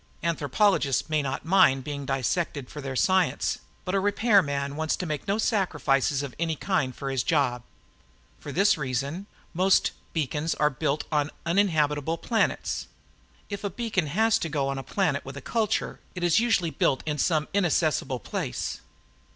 Anthropologists may not mind being dissected for their science, but a repairman wants to make no sacrifices of any kind for his job. For this reason, most beacons are built on uninhabited planets. If a beacon has to go on a planet with a culture, it is usually built in some inaccessible place.